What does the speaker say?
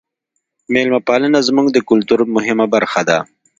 میلمه پالنه زموږ د کلتور مهمه برخه ده.